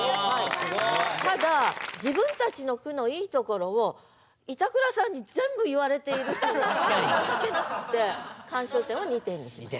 ただ自分たちの句のいいところを板倉さんに全部言われているっていうのが情けなくて鑑賞点は２点にしました。